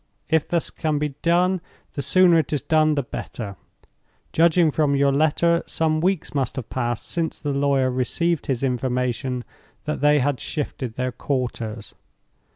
If this can be done, the sooner it is done the better. Judging from your letter, some weeks must have passed since the lawyer received his information that they had shifted their quarters.